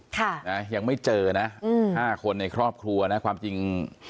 ค่ะนะยังไม่เจอนะอืมห้าคนในครอบครัวนะความจริง